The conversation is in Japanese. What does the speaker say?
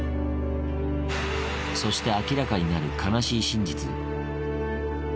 そして明らかになる悲しい真実。